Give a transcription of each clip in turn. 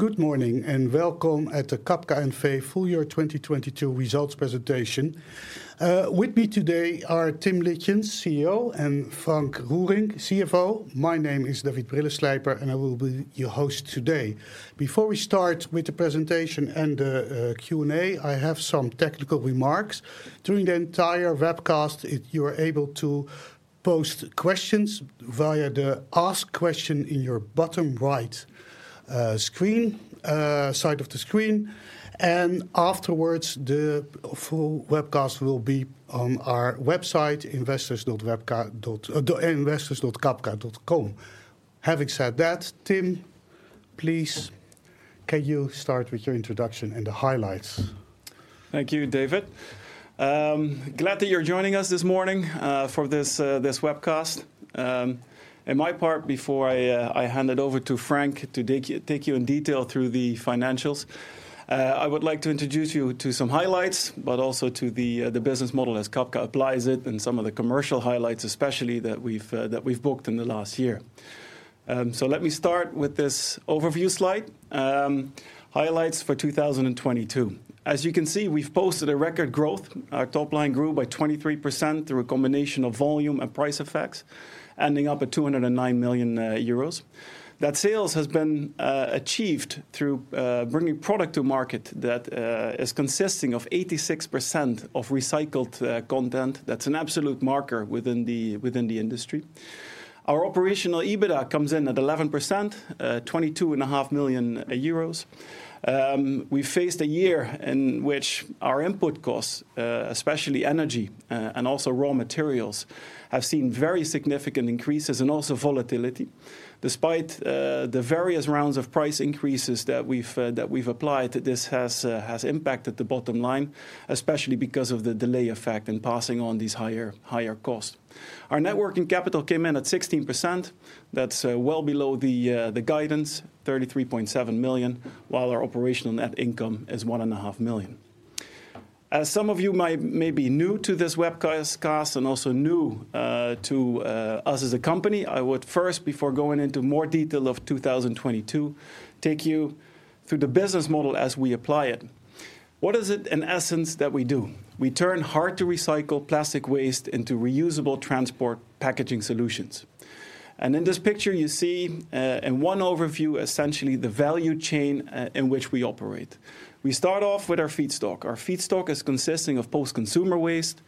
Good morning and welcome at the Cabka N.V. Full Year 2022 Results presentation. With me today are Tim Litjens, CEO, and Frank Roerink, CFO. My name is David Brilleslijper, and I will be your host today. Before we start with the presentation and Q&A, I have some technical remarks. During the entire webcast, you're able to post questions via the Ask Question in your bottom right screen side of the screen. Afterwards, the full webcast will be on our website, investors.cabka.com. Having said that, Tim, please, can you start with your introduction and the highlights? Thank you, David. Glad that you're joining us this morning for this webcast. In my part, before I hand it over to Frank to take you in detail through the financials, I would like to introduce you to some highlights, but also to the business model as Cabka applies it and some of the commercial highlights, especially that we've booked in the last year. Let me start with this overview slide. Highlights for 2022. As you can see, we've posted a record growth. Our top line grew by 23% through a combination of volume and price effects, ending up at 209 million euros. That sales has been achieved through bringing product to market that is consisting of 86% of recycled content. That's an absolute marker within the industry. Our operational EBITDA comes in at 11%, 22.5 million euros. We faced a year in which our input costs, especially energy, and also raw materials, have seen very significant increases and also volatility. Despite the various rounds of price increases that we've applied, this has impacted the bottom line, especially because of the delay effect in passing on these higher costs. Our net working capital came in at 16%. That's well below the guidance, 33.7 million, while our operational net income is 1.5 million. As some of you may be new to this webcast and also new to us as a company, I would first, before going into more detail of 2022, take you through the business model as we apply it. What is it in essence that we do? We turn hard-to-recycle plastic waste into reusable transport packaging solutions. In this picture you see in one overview, essentially the value chain in which we operate. We start off with our feedstock. Our feedstock is consisting of post-consumer waste,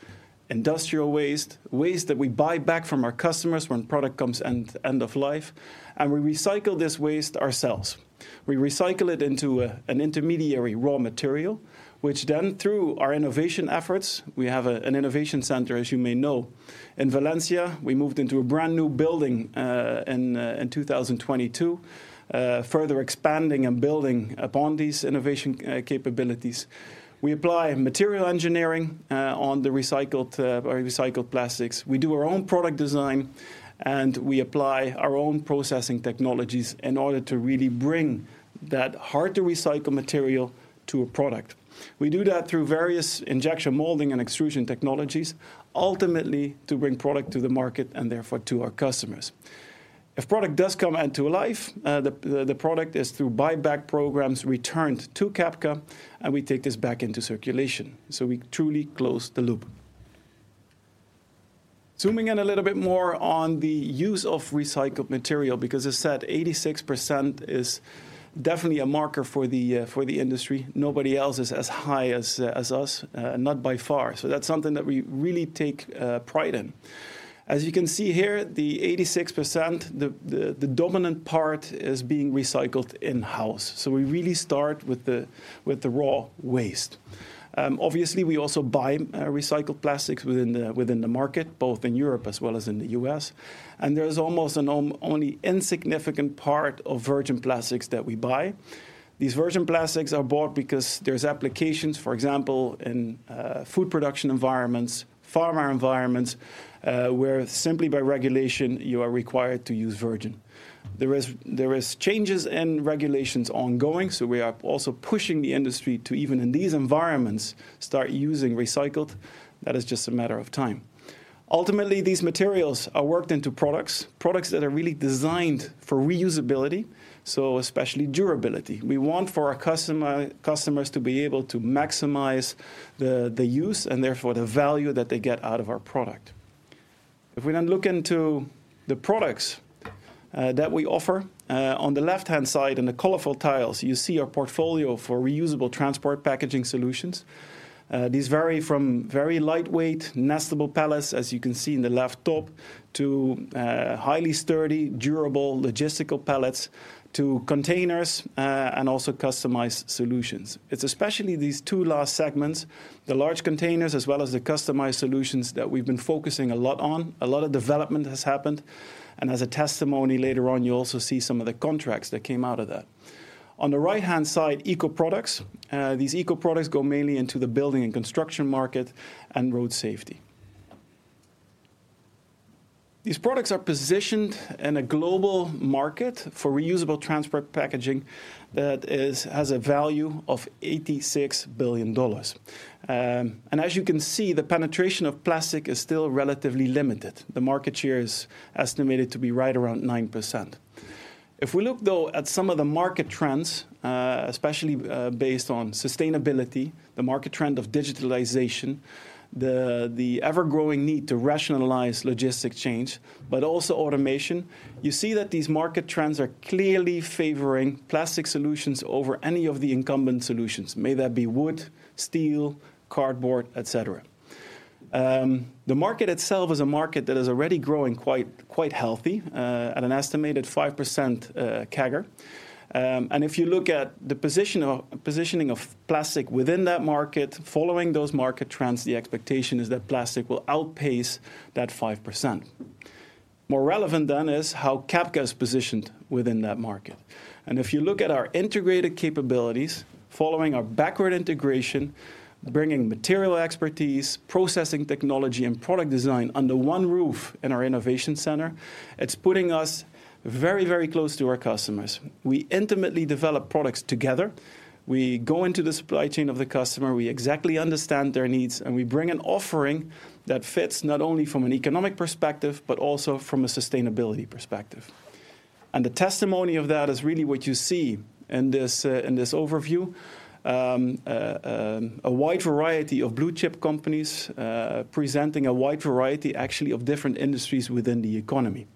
industrial waste that we buy back from our customers when product comes end of life, and we recycle this waste ourselves. We recycle it into an intermediary raw material, which then, through our innovation efforts, we have an innovation center, as you may know. In Valencia, we moved into a brand-new building in 2022, further expanding and building upon these innovation capabilities. We apply material engineering on the recycled or recycled plastics. We do our own product design, and we apply our own processing technologies in order to really bring that hard-to-recycle material to a product. We do that through various injection molding and extrusion technologies, ultimately to bring product to the market and therefore to our customers. If product does come end to a life, the product is, through buyback programs, returned to Cabka, and we take this back into circulation. We truly close the loop. Zooming in a little bit more on the use of recycled material, because as said, 86% is definitely a marker for the industry. Nobody else is as high as us, not by far. That's something that we really take pride in. As you can see here, the 86%, the dominant part is being recycled in-house. We really start with the raw waste. Obviously, we also buy recycled plastics within the market, both in Europe as well as in the US. There is almost an only insignificant part of virgin plastics that we buy. These virgin plastics are bought because there's applications, for example, in food production environments, pharma environments, where simply by regulation you are required to use virgin. There is changes in regulations ongoing, we are also pushing the industry to, even in these environments, start using recycled. That is just a matter of time. Ultimately, these materials are worked into products that are really designed for reusability, so especially durability. We want for our customers to be able to maximize the use and therefore the value that they get out of our product. If we now look into the products that we offer on the left-hand side in the colorful tiles, you see our portfolio for reusable transport packaging solutions. These vary from very lightweight nestable pallets, as you can see in the left top, to highly sturdy, durable logistical pallets to containers and also customized solutions. It's especially these two last segments, the large containers as well as the customized solutions, that we've been focusing a lot on. A lot of development has happened, and as a testimony later on, you'll also see some of the contracts that came out of that. On the right-hand side, ECO products. These ECO products go mainly into the building and construction market and road safety. These products are positioned in a global market for reusable transport packaging that is, has a value of $86 billion. As you can see, the penetration of plastic is still relatively limited. The market share is estimated to be right around 9%. If we look though at some of the market trends, especially based on sustainability, the market trend of digitalization, the ever-growing need to rationalize logistic change, but also automation, you see that these market trends are clearly favoring plastic solutions over any of the incumbent solutions, may that be wood, steel, cardboard, et cetera. The market itself is a market that is already growing quite healthy at an estimated 5% CAGR. If you look at the positioning of plastic within that market, following those market trends, the expectation is that plastic will outpace that 5%. More relevant is how Cabka is positioned within that market. If you look at our integrated capabilities, following our backward integration, bringing material expertise, processing technology, and product design under one roof in our innovation center, it's putting us very, very close to our customers. We intimately develop products together. We go into the supply chain of the customer, we exactly understand their needs, we bring an offering that fits not only from an economic perspective, but also from a sustainability perspective. The testimony of that is really what you see in this in this overview. A wide variety of blue-chip companies, presenting a wide variety actually of different industries within the economy.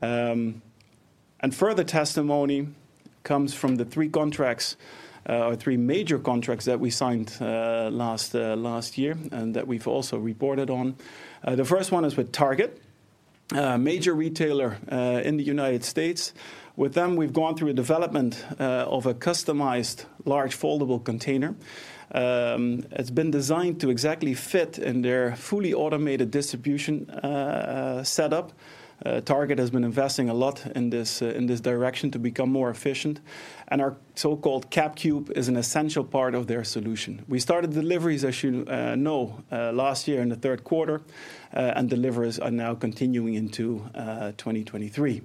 Further testimony comes from the three contracts, or three major contracts that we signed last year and that we've also reported on. The first one is with Target, a major retailer, in the United States. With them, we've gone through a development of a customized large foldable container. It's been designed to exactly fit in their fully automated distribution setup. Target has been investing a lot in this, in this direction to become more efficient, and our so-called CabCube is an essential part of their solution. We started deliveries, as you know, last year in the third quarter, and deliveries are now continuing into 2023.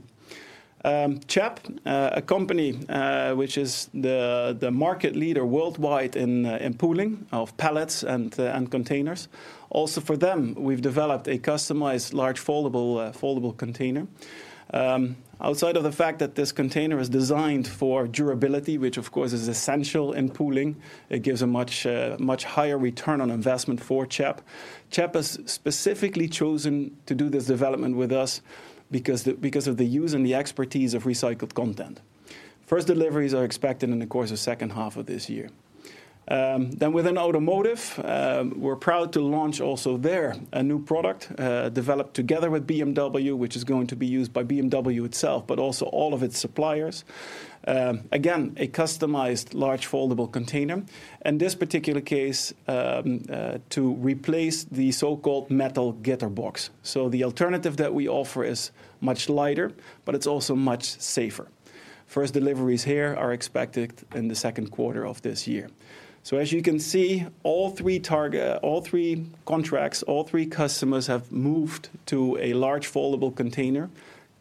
CHEP, a company, which is the market leader worldwide in pooling of pallets and containers. Also, for them, we've developed a customized large foldable container. Outside of the fact that this container is designed for durability, which of course is essential in pooling, it gives a much higher return on investment for CHEP. CHEP has specifically chosen to do this development with us because of the use and the expertise of recycled content. First deliveries are expected in the course of second half of this year. Within automotive, we're proud to launch also there a new product developed together with BMW, which is going to be used by BMW itself, but also all of its suppliers. Again, a customized large foldable container. In this particular case, to replace the so-called metal Gitterbox. The alternative that we offer is much lighter, but it's also much safer. First deliveries here are expected in the second quarter of this year. As you can see, all three contracts, all three customers have moved to a large foldable container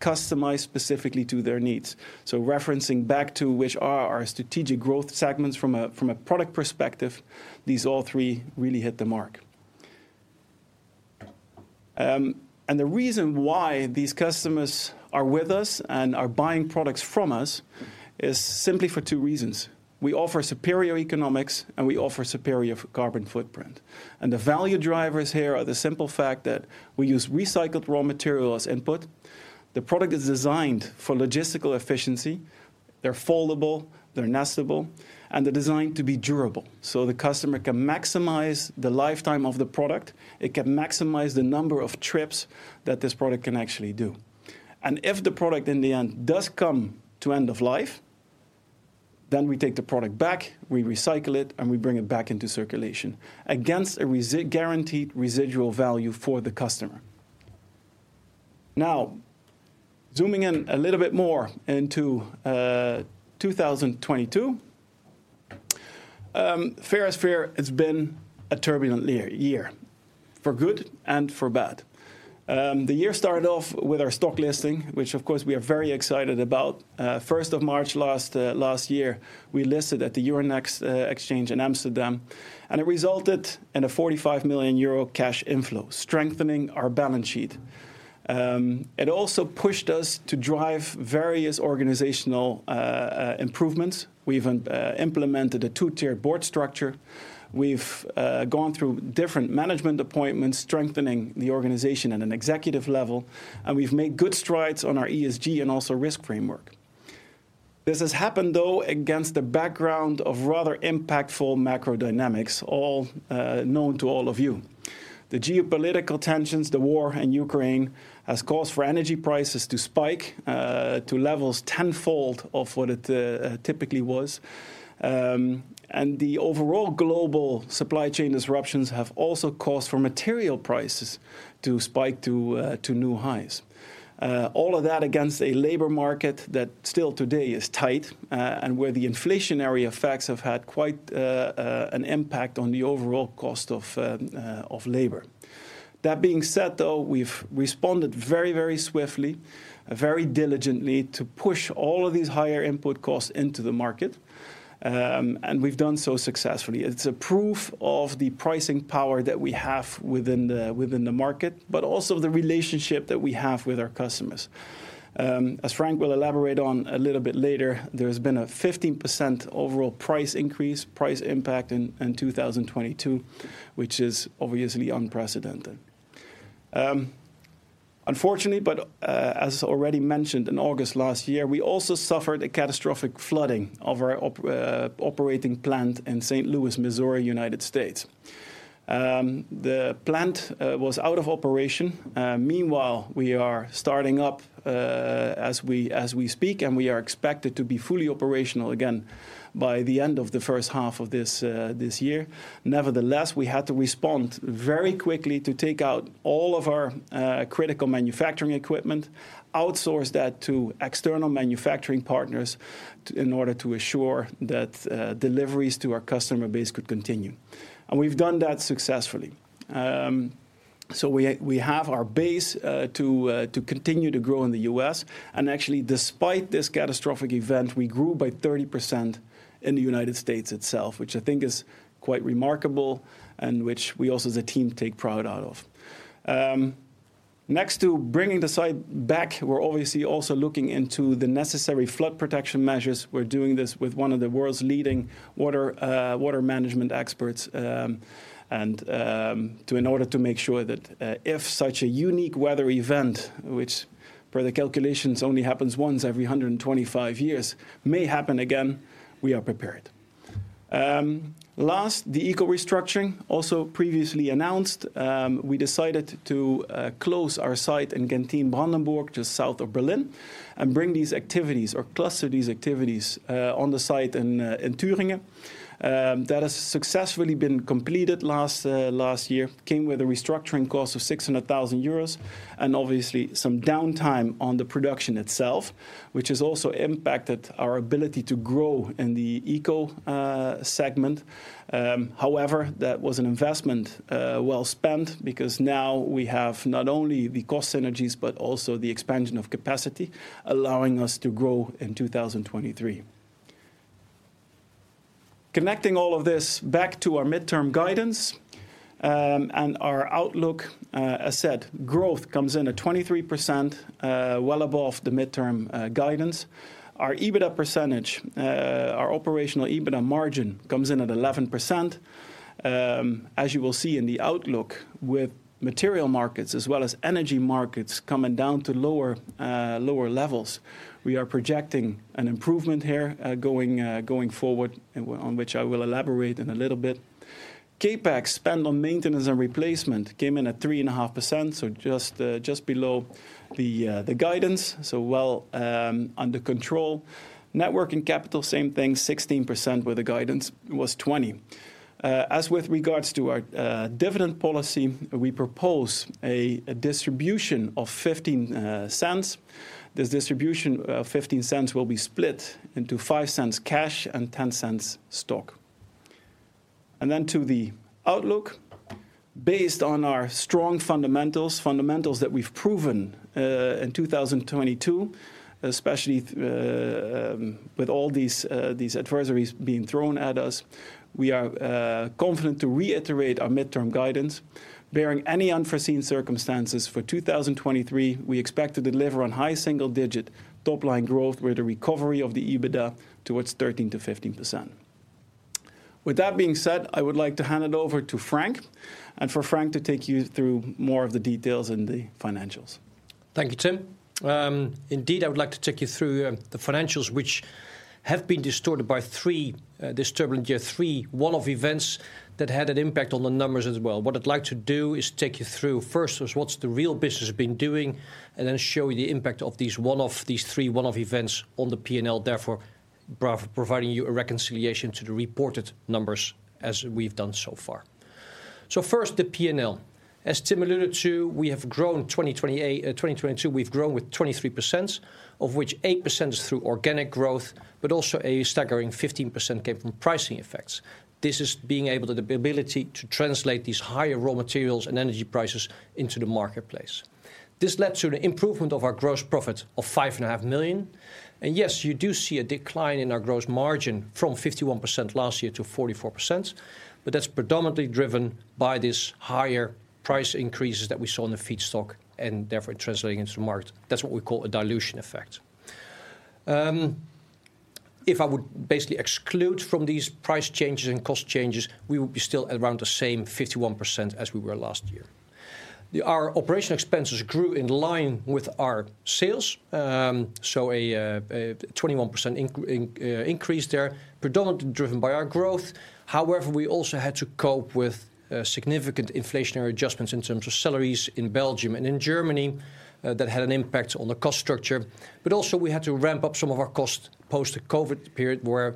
customized specifically to their needs. Referencing back to which are our strategic growth segments from a product perspective, these all three really hit the mark. The reason why these customers are with us and are buying products from us is simply for two reasons. We offer superior economics, and we offer superior carbon footprint. The value drivers here are the simple fact that we use recycled raw material as input. The product is designed for logistical efficiency. They're foldable, they're nestable, and they're designed to be durable. The customer can maximize the lifetime of the product. It can maximize the number of trips that this product can actually do. If the product in the end does come to end of life, then we take the product back, we recycle it, and we bring it back into circulation against a guaranteed residual value for the customer. Zooming in a little bit more into 2022. fair is fair, it's been a turbulent year for good and for bad. The year started off with our stock listing, which of course we are very excited about. 1st of March last year, we listed at the Euronext Exchange in Amsterdam, it resulted in a 45 million euro cash inflow, strengthening our balance sheet. It also pushed us to drive various organizational improvements. We even implemented a two-tier board structure. We've gone through different management appointments, strengthening the organization at an executive level, and we've made good strides on our ESG and also risk framework. This has happened though against the background of rather impactful macro dynamics, all known to all of you. The geopolitical tensions, the war in Ukraine, has caused for energy prices to spike to levels tenfold of what it typically was. The overall global supply chain disruptions have also caused for material prices to spike to new highs. All of that against a labor market that still today is tight, and where the inflationary effects have had quite an impact on the overall cost of labor. That being said, though, we've responded very, very swiftly, very diligently to push all of these higher input costs into the market, and we've done so successfully. It's a proof of the pricing power that we have within the market, but also the relationship that we have with our customers. As Frank Roerink will elaborate on a little bit later, there's been a 15% overall price increase, price impact in 2022, which is obviously unprecedented. Unfortunately, but as already mentioned, in August last year, we also suffered a catastrophic flooding of our operating plant in St. Louis, Missouri, United States. The plant was out of operation. Meanwhile, we are starting up as we speak, and we are expected to be fully operational again by the end of the first half of this year. Nevertheless, we had to respond very quickly to take out all of our critical manufacturing equipment, outsource that to external manufacturing partners in order to assure that deliveries to our customer base could continue. We've done that successfully. We have our base to continue to grow in the U.S., and actually, despite this catastrophic event, we grew by 30% in the United States itself, which I think is quite remarkable, and which we also as a team take pride out of. Next to bringing the site back, we're obviously also looking into the necessary flood protection measures. We're doing this with one of the world's leading water management experts, in order to make sure that if such a unique weather event, which per the calculations only happens once every 125 years, may happen again, we are prepared. The ECO restructuring, also previously announced. We decided to close our site in Genthin, Brandenburg, just south of Berlin, and bring these activities or cluster these activities on the site in Thuringia. That has successfully been completed last year. Came with a restructuring cost of 600,000 euros, and obviously some downtime on the production itself, which has also impacted our ability to grow in the ECO segment. However, that was an investment, well spent because now we have not only the cost synergies, but also the expansion of capacity, allowing us to grow in 2023. Connecting all of this back to our midterm guidance, and our outlook, as said, growth comes in at 23%, well above the midterm guidance. Our EBITDA percentage, our operational EBITDA margin comes in at 11%. As you will see in the outlook, with material markets as well as energy markets coming down to lower levels, we are projecting an improvement here, going forward and on which I will elaborate in a little bit. CapEx spend on maintenance and replacement came in at 3.5%, so just below the guidance, so well under control. Net working capital, same thing, 16%, where the guidance was 20%. As with regards to our dividend policy, we propose a distribution of 0.15. This distribution of 0.15 will be split into 0.05 cash and 0.10 stock. To the outlook. Based on our strong fundamentals that we've proven in 2022, especially with all these advisories being thrown at us, we are confident to reiterate our midterm guidance. Barring any unforeseen circumstances, for 2023, we expect to deliver on high single digit top line growth with a recovery of the EBITDA towards 13%-15%. With that being said, I would like to hand it over to Frank and for Frank to take you through more of the details in the financials. Thank you, Tim. Indeed, I would like to take you through the financials, which have been distorted by three one-off events that had an impact on the numbers as well. What I'd like to do is take you through first what's the real business been doing and then show you the impact of these three one-off events on the P&L, therefore providing you a reconciliation to the reported numbers as we've done so far. First, the P&L. As Tim alluded to, we have grown 2022, we've grown with 23%, of which 8% is through organic growth, but also a staggering 15% came from pricing effects. This is the ability to translate these higher raw materials and energy prices into the marketplace. This led to an improvement of our gross profit of 5.5 Million. Yes, you do see a decline in our gross margin from 51% last year to 44%. That's predominantly driven by these higher price increases that we saw in the feedstock and therefore translating into the market. That's what we call a dilution effect. If I would basically exclude from these price changes and cost changes, we would be still around the same 51% as we were last year. Our operational expenses grew in line with our sales, so a 21% increase there, predominantly driven by our growth. However, we also had to cope with significant inflationary adjustments in terms of salaries in Belgium and in Germany, that had an impact on the cost structure. Also we had to ramp up some of our costs post-COVID period, where,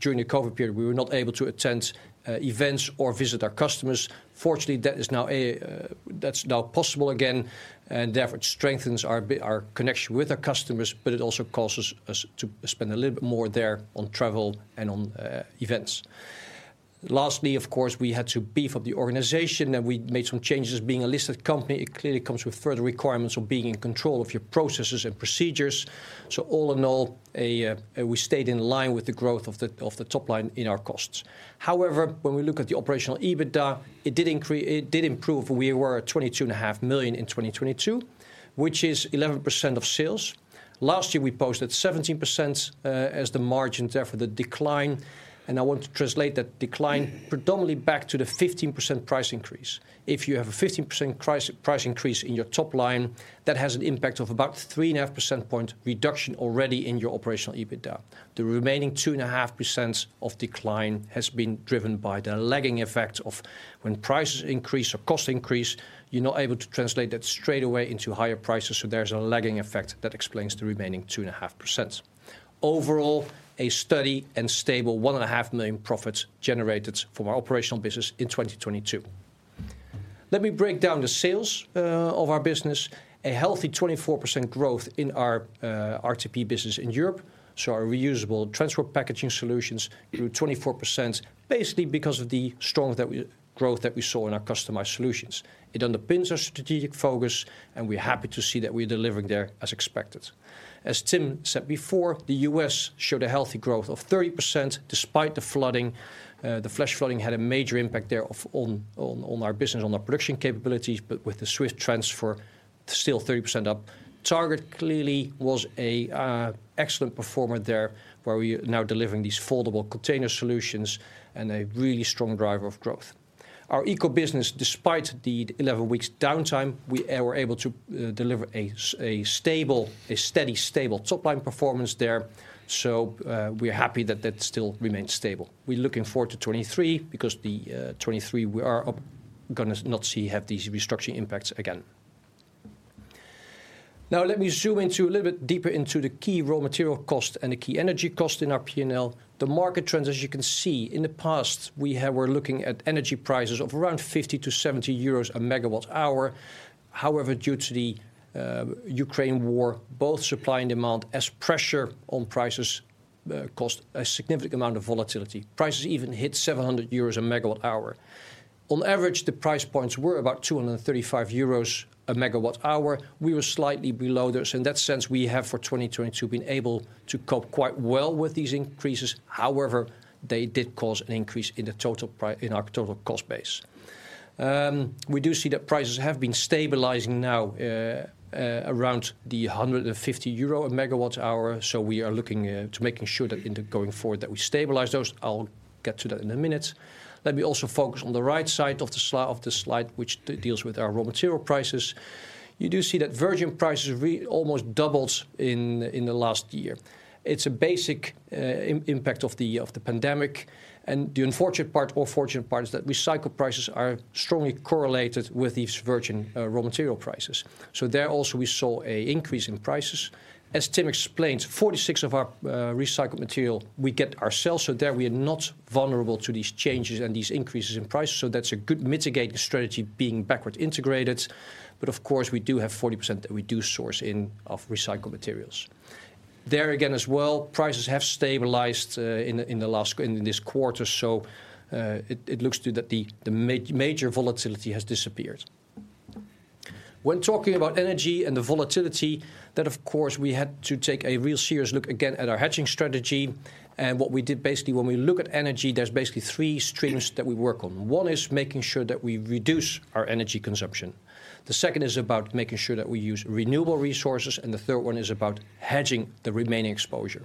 during the COVID period, we were not able to attend events or visit our customers. Fortunately, that's now possible again, and therefore it strengthens our connection with our customers, but it also causes us to spend a little bit more there on travel and on events. Lastly, of course, we had to beef up the organization, and we made some changes. Being a listed company, it clearly comes with further requirements of being in control of your processes and procedures. All in all, we stayed in line with the growth of the top line in our costs. When we look at the operational EBITDA, it did improve. We were at 22.5 million in 2022, which is 11% of sales. Last year we posted 17% as the margin, therefore the decline, I want to translate that decline predominantly back to the 15% price increase. If you have a 15% price increase in your top line, that has an impact of about 3.5 percentage point reduction already in your operational EBITDA. The remaining 2.5% of decline has been driven by the lagging effect of when prices increase or costs increase, you're not able to translate that straight away into higher prices, there's a lagging effect that explains the remaining 2.5%. Overall, a steady and stable 1.5 million profits generated from our operational business in 2022. Let me break down the sales of our business. A healthy 24% growth in our RTP business in Europe, so our reusable transport packaging solutions grew 24%, basically because of the strong growth that we saw in our customized solutions. It underpins our strategic focus, and we're happy to see that we're delivering there as expected. As Tim said before, the US showed a healthy growth of 30%, despite the flooding. The flash flooding had a major impact there on our business, on our production capabilities. With the swift transfer, still 30% up. Target clearly was an excellent performer there, where we are now delivering these foldable container solutions and a really strong driver of growth. Our ECO business, despite the 11 weeks downtime, we were able to deliver a steady, stable top line performance there. We're happy that that still remains stable. We're looking forward to 2023 because the 2023 we are gonna not see, have these restructuring impacts again. Let me zoom a little bit deeper into the key raw material cost and the key energy cost in our P&L. The market trends, as you can see, in the past we're looking at energy prices of around 50-70 euros a megawatt hour. Due to the Ukraine war, both supply and demand as pressure on prices cost a significant amount of volatility. Prices even hit 700 euros a megawatt hour. On average, the price points were about 235 euros a megawatt hour. We were slightly below this. We have for 2022 been able to cope quite well with these increases. However, they did cause an increase in our total cost base. We do see that prices have been stabilizing now around the 150 euro a megawatt hour, so we are looking to making sure that going forward, that we stabilize those. I'll get to that in a minute. Let me also focus on the right side of the slide, which deals with our raw material prices. You do see that virgin prices almost doubled in the last year. It's a basic impact of the pandemic, and the unfortunate part, more fortunate part, is that recycled prices are strongly correlated with these virgin raw material prices. There also we saw a increase in prices. As Tim explained, 46 of our recycled material we get ourselves, there we are not vulnerable to these changes and these increases in prices, that's a good mitigating strategy being backward integrated. Of course we do have 40% that we do source in, of recycled materials. There again as well, prices have stabilized in this quarter, it looks too that the major volatility has disappeared. When talking about energy and the volatility, of course we had to take a real serious look again at our hedging strategy, what we did basically, when we look at energy, there's basically three streams that we work on. One is making sure that we reduce our energy consumption. The second is about making sure that we use renewable resources. The third one is about hedging the remaining exposure.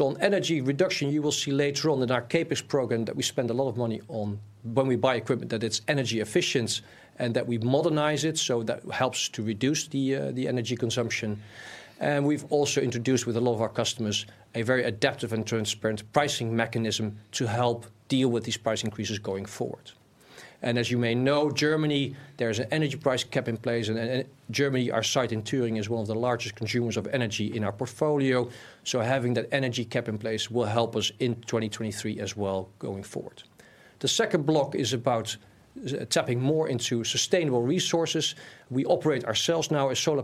On energy reduction, you will see later on in our CAPEX program that we spend a lot of money on when we buy equipment, that it's energy efficient and that we modernize it so that helps to reduce the energy consumption. We've also introduced with a lot of our customers a very adaptive and transparent pricing mechanism to help deal with these price increases going forward. As you may know, Germany, there is an energy price cap in place, in Germany, our site in Thuringia is one of the largest consumers of energy in our portfolio. Having that energy cap in place will help us in 2023 as well going forward. The second block is about tapping more into sustainable resources. We operate ourselves now a solar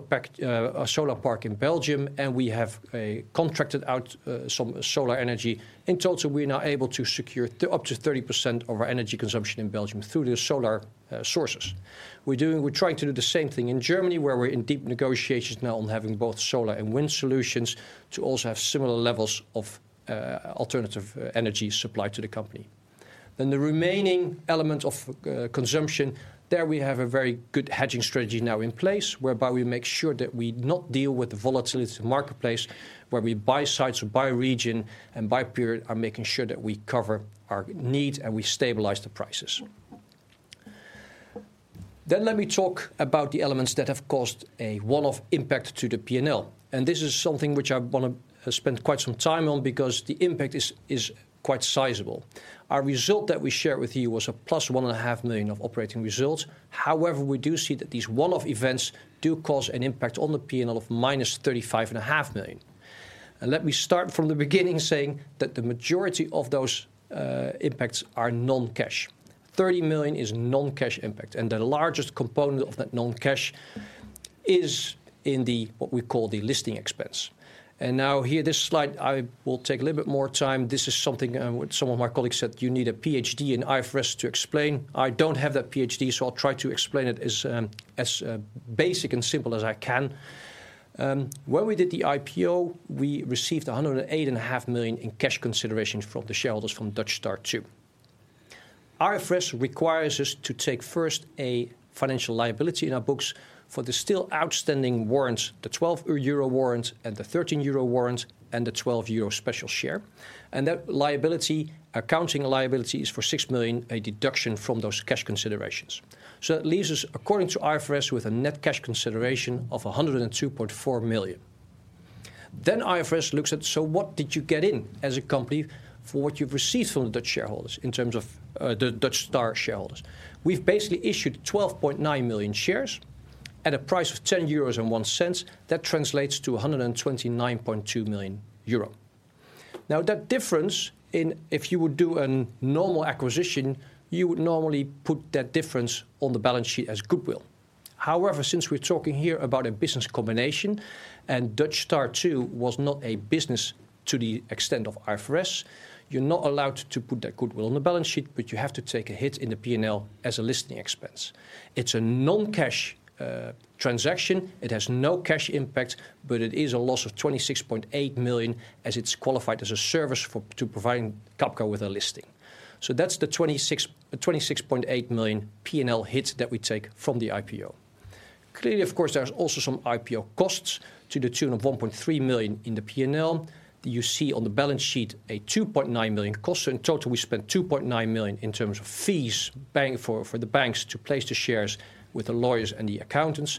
park in Belgium, and we have contracted out some solar energy. In total, we are now able to secure up to 30% of our energy consumption in Belgium through the solar sources. We're trying to do the same thing in Germany, where we're in deep negotiations now on having both solar and wind solutions to also have similar levels of alternative energy supplied to the company. The remaining element of consumption, there we have a very good hedging strategy now in place, whereby we make sure that we not deal with the volatility marketplace, where we buy sites by region and by period are making sure that we cover our needs and we stabilize the prices. Let me talk about the elements that have caused a one-off impact to the P&L, and this is something which I wanna spend quite some time on because the impact is quite sizable. Our result that we shared with you was a + 1.5 million of operating results. However, we do see that these one-off events do cause an impact on the P&L of - 35.5 million. Let me start from the beginning saying that the majority of those impacts are non-cash. 30 million is non-cash impact, and the largest component of that non-cash is in the, what we call the listing expense. Now here, this slide, I will take a little bit more time. This is something which some of my colleagues said you need a PhD in IFRS to explain. I don't have that PhD, so I'll try to explain it as basic and simple as I can. When we did the IPO, we received 108.5 million in cash considerations from the shareholders from Dutch Star II. IFRS requires us to take first a financial liability in our books for the still outstanding warrants, the 12 euro warrants and the 13 euro warrants and the 12 euro special share. That liability, accounting liability, is for 6 million, a deduction from those cash considerations. It leaves us, according to IFRS, with a net cash consideration of 102.4 million. IFRS looks at, so what did you get in as a company for what you've received from the Dutch shareholders in terms of, the Dutch Star shareholders? We've basically issued 12.9 million shares at a price of 10.01 euros. That translates to 129.2 million euro. That difference in, if you would do a normal acquisition, you would normally put that difference on the balance sheet as goodwill. However, since we're talking here about a business combination, and Dutch Star TWO was not a business to the extent of IFRS, you're not allowed to put that goodwill on the balance sheet, but you have to take a hit in the P&L as a listing expense. It's a non-cash transaction. It has no cash impact, but it is a loss of 26.8 million, as it's qualified as a service for, to providing Cabka with a listing. That's the 26.8 million P&L hit that we take from the IPO. Clearly, of course, there's also some IPO costs to the tune of 1.3 million in the P&L. You see on the balance sheet a 2.9 million cost. In total, we spent 2.9 million in terms of fees, for the banks to place the shares with the lawyers and the accountants.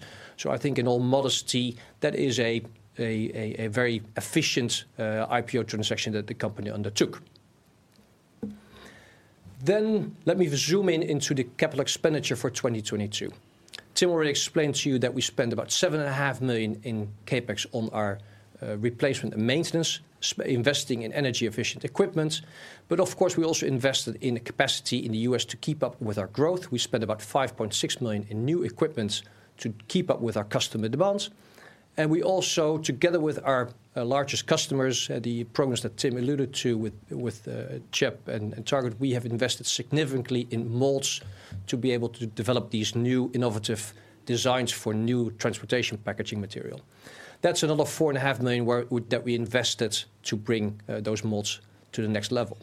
I think in all modesty, that is a very efficient IPO transaction that the company undertook. Let me zoom in into the capital expenditure for 2022. Tim already explained to you that we spend about 7.5 million in CapEx on our replacement and maintenance, investing in energy efficient equipment. Of course, we also invested in the capacity in the U.S. to keep up with our growth. We spent about 5.6 million in new equipment to keep up with our customer demands. We also, together with our largest customers, the programs that Tim alluded to with CHEP and Target, we have invested significantly in molds to be able to develop these new innovative designs for new transportation packaging material. That's another 4.5 million that we invested to bring those molds to the next level.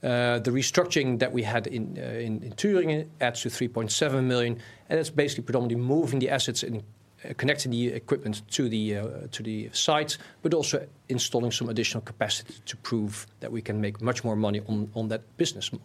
The restructuring that we had in Thuringia adds to 3.7 million, and it's basically predominantly moving the assets and connecting the equipment to the site, but also installing some additional capacity to prove that we can make much more money on that business model.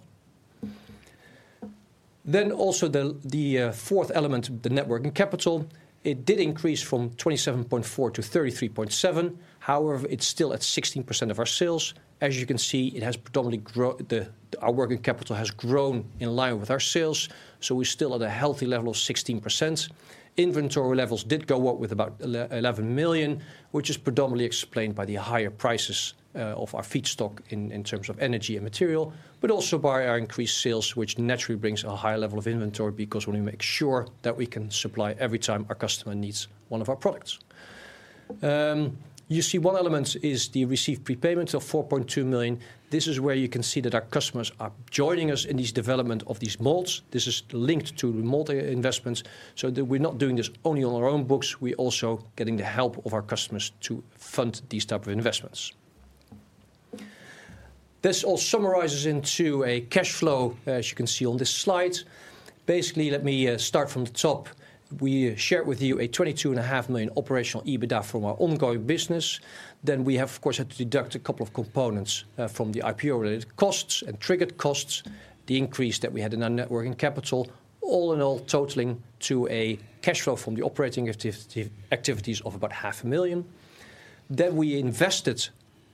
Also the fourth element, the net working capital, it did increase from 27.4-33.7. However, it's still at 16% of our sales. As you can see, it has predominantly, our working capital has grown in line with our sales, so we're still at a healthy level of 16%. Inventory levels did go up with about 11 million, which is predominantly explained by the higher prices of our feedstock in terms of energy and material, but also by our increased sales, which naturally brings a higher level of inventory because we make sure that we can supply every time our customer needs one of our products. You see one element is the received prepayments of 4.2 million. This is where you can see that our customers are joining us in this development of these molds. This is linked to mold investments, so that we're not doing this only on our own books, we're also getting the help of our customers to fund these type of investments. This all summarizes into a cash flow, as you can see on this slide. Basically, let me start from the top. We shared with you a 22.5 Million operational EBITDA from our ongoing business. We have, of course, had to deduct a couple of components from the IPO-related costs and triggered costs, the increase that we had in our net working capital, all in all totaling to a cash flow from the operating activities of about 0.5 Million. We invested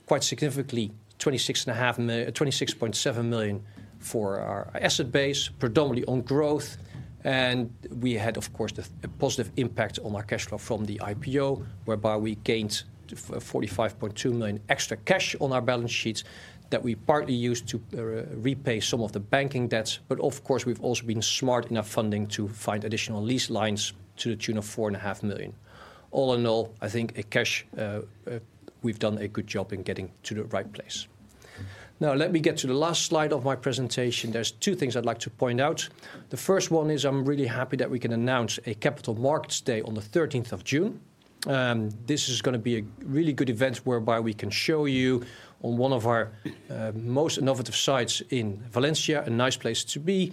quite significantly, 26.7 million for our asset base, predominantly on growth. We had, of course, a positive impact on our cash flow from the IPO, whereby we gained 45.2 million extra cash on our balance sheets that we partly used to repay some of the banking debts. Of course, we've also been smart in our funding to find additional lease lines to the tune of 4.5 million. All in all, I think in cash, we've done a good job in getting to the right place. Let me get to the last slide of my presentation. There's two things I'd like to point out. The first one is I'm really happy that we can announce a Capital Markets Day on the 13th of June. This is gonna be a really good event whereby we can show you on one of our most innovative sites in Valencia, a nice place to be.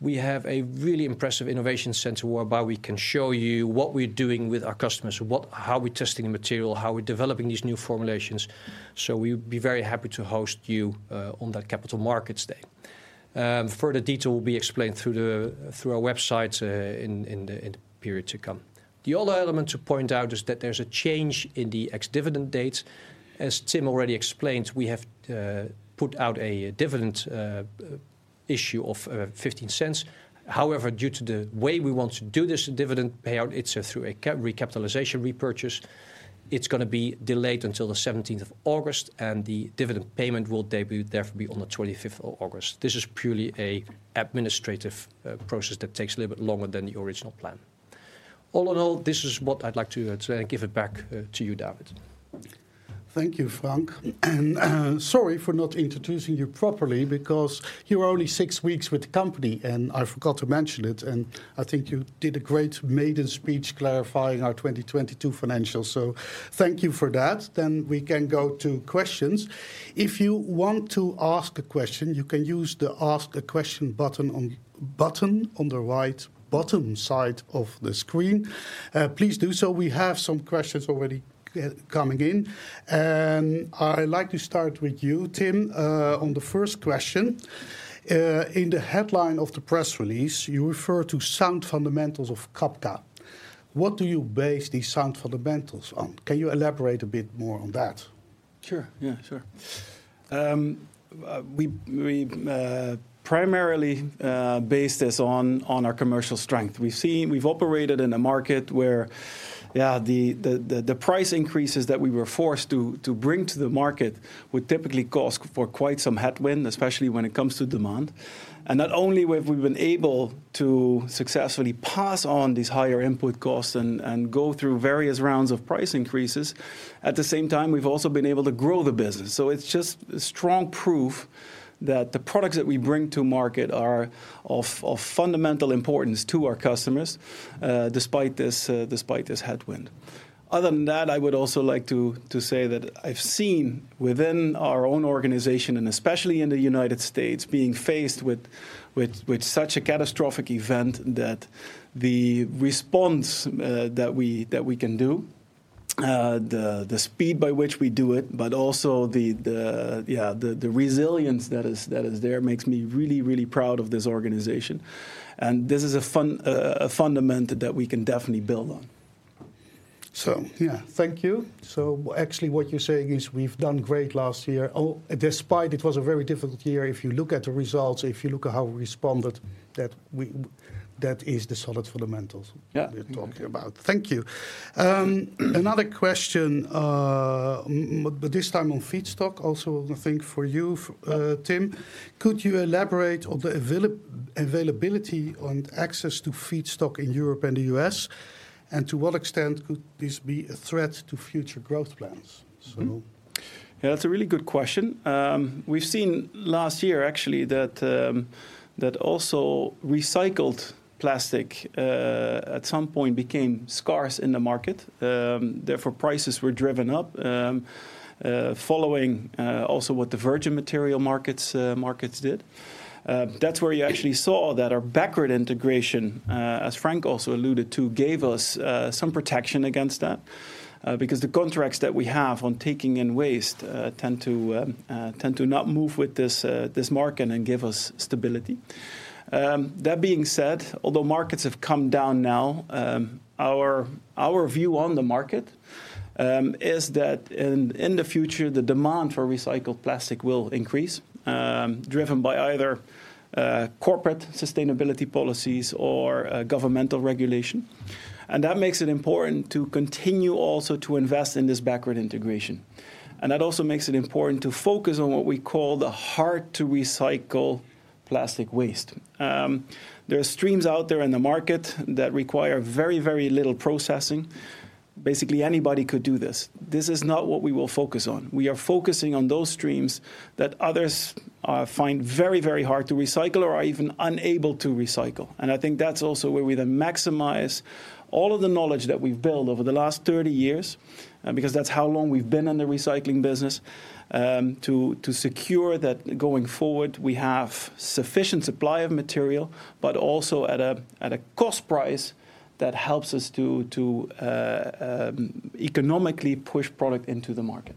We have a really impressive innovation center whereby we can show you what we're doing with our customers, how we're testing the material, how we're developing these new formulations. We'd be very happy to host you on that Capital Markets Day. Further detail will be explained through our website in the period to come. The other element to point out is that there's a change in the ex-dividend date. As Tim already explained, we have put out a dividend issue of 0.15. However, due to the way we want to do this dividend payout, it's through a recapitalization repurchase, it's gonna be delayed until the 17th of August, and the dividend payment will debut therefore be on the 25th of August. This is purely a administrative process that takes a little bit longer than the original plan. All in all, this is what I'd like to say, and give it back to you, David. Thank you, Frank. Sorry for not introducing you properly because you are only six weeks with the company, and I forgot to mention it, and I think you did a great maiden speech clarifying our 2022 financials. Thank you for that. We can go to questions. If you want to ask a question, you can use the Ask a Question button on the right bottom side of the screen. Please do so. We have some questions already coming in. I'd like to start with you, Tim, on the first question. In the headline of the press release, you refer to sound fundamentals of Cabka. What do you base these sound fundamentals on? Can you elaborate a bit more on that? Sure. Yeah, sure. We primarily base this on our commercial strength. We've operated in a market where, yeah, the price increases that we were forced to bring to the market would typically cause for quite some headwind, especially when it comes to demand. Not only have we been able to successfully pass on these higher input costs and go through various rounds of price increases, at the same time, we've also been able to grow the business. It's just strong proof that the products that we bring to market are of fundamental importance to our customers, despite this headwind. Other than that, I would also like to say that I've seen within our own organization, and especially in the United States, being faced with such a catastrophic event that the response that we can do, the speed by which we do it, but also the, yeah, the resilience that is there makes me really, really proud of this organization. This is a fundament that we can definitely build on. Yeah. Thank you. Actually what you're saying is we've done great last year, despite it was a very difficult year, if you look at the results, if you look at how we responded, that is the solid fundamentals. Yeah. We're talking about. Thank you. another question, but this time on feedstock, also I think for you Tim Litjens. Could you elaborate on the availability on access to feedstock in Europe and the U.S., and to what extent could this be a threat to future growth plans? Yeah, that's a really good question. We've seen last year actually that also recycled plastic at some point became scarce in the market, therefore, prices were driven up, following also what the virgin material markets did. That's where you actually saw that our backward integration, as Frank also alluded to, gave us some protection against that, because the contracts that we have on taking in waste tend to not move with this market and give us stability. That being said, although markets have come down now, our view on the market is that in the future, the demand for recycled plastic will increase, driven by either corporate sustainability policies or governmental regulation. That makes it important to continue also to invest in this backward integration. That also makes it important to focus on what we call the hard-to-recycle plastic waste. There are streams out there in the market that require very, very little processing. Basically, anybody could do this. This is not what we will focus on. We are focusing on those streams that others find very, very hard to recycle or are even unable to recycle. I think that's also where we then maximize all of the knowledge that we've built over the last 30 years, because that's how long we've been in the recycling business, to secure that going forward, we have sufficient supply of material, but also at a cost price that helps us to economically push product into the market.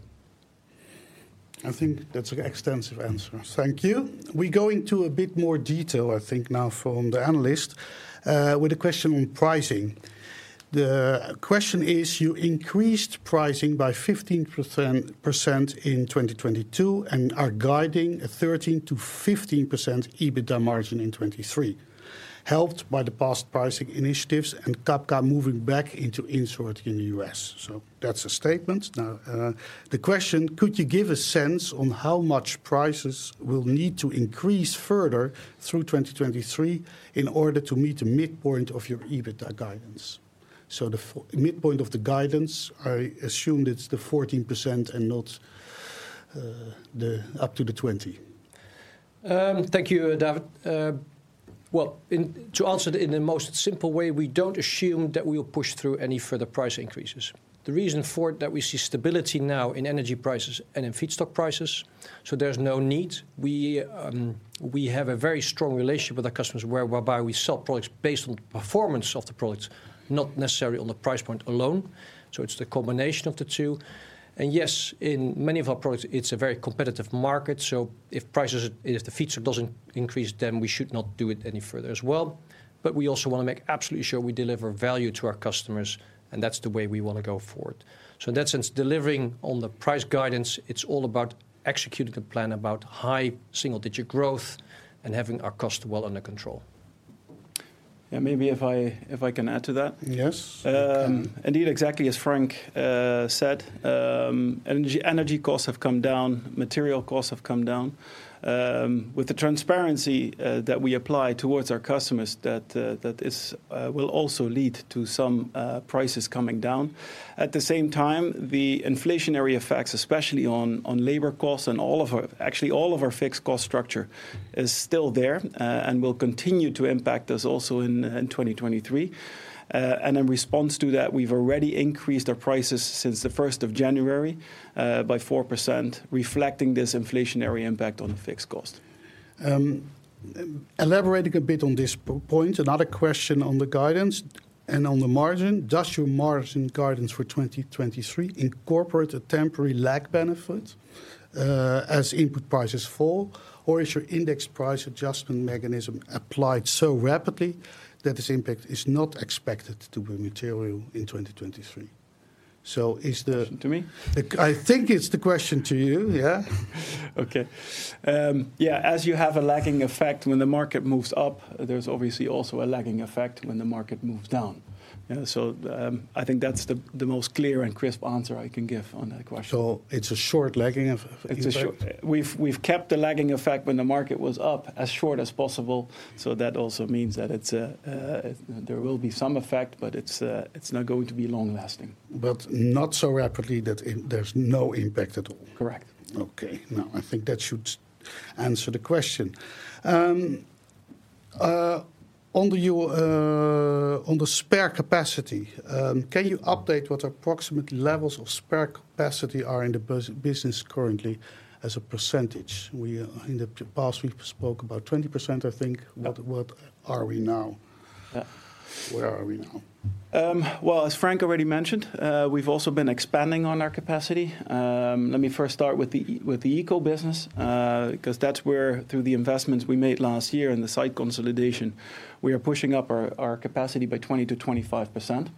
I think that's an extensive answer. Thank you. We go into a bit more detail, I think now from the analyst, with a question on pricing. The question is, you increased pricing by 15% in 2022 and are guiding a 13%-15% EBITDA margin in 2023, helped by the past pricing initiatives and Cabka moving back into insourcing in the U.S. That's a statement. Now, the question: Could you give a sense on how much prices will need to increase further through 2023 in order to meet the midpoint of your EBITDA guidance? The midpoint of the guidance, I assume it's the 14% and not the up to the 20%. Thank you, David. Well, to answer in the most simple way, we don't assume that we will push through any further price increases. The reason for it, that we see stability now in energy prices and in feedstock prices. There's no need. We have a very strong relationship with our customers whereby we sell products based on the performance of the products, not necessarily on the price point alone. It's the combination of the two. Yes, in many of our products, it's a very competitive market. If prices, if the feedstock doesn't increase, then we should not do it any further as well. We also want to make absolutely sure we deliver value to our customers, and that's the way we want to go forward. In that sense, delivering on the price guidance, it's all about executing a plan about high single digit growth and having our cost well under control. Maybe if I can add to that? Yes, you can. Indeed, exactly as Frank said, energy costs have come down, material costs have come down. With the transparency that we apply towards our customers that will also lead to some prices coming down. At the same time, the inflationary effects, especially on labor costs and all of our, actually all of our fixed cost structure is still there and will continue to impact us also in 2023. In response to that, we've already increased our prices since the first of January by 4% reflecting this inflationary impact on the fixed cost. Elaborating a bit on this point, another question on the guidance and on the margin. Does your margin guidance for 2023 incorporate a temporary lag benefit, as input prices fall, or is your index price adjustment mechanism applied so rapidly that this impact is not expected to be material in 2023? Question to me? I think it's the question to you, yeah. Okay. Yeah, as you have a lagging effect when the market moves up, there's obviously also a lagging effect when the market moves down. Yeah, I think that's the most clear and crisp answer I can give on that question. It's a short lagging effect? We've kept the lagging effect when the market was up as short as possible. That also means that there will be some effect. It's not going to be long lasting. Not so rapidly that there's no impact at all. Correct. Okay. No, I think that should answer the question. Under your on the spare capacity, can you update what approximate levels of spare capacity are in the business currently as a percentage? We in the past, we spoke about 20%, I think. Yeah. What are we now? Yeah. Where are we now? Well, as Frank already mentioned, we've also been expanding on our capacity. Let me first start with the ECO business, 'cause that's where, through the investments we made last year in the site consolidation, we are pushing up our capacity by 20%-25%.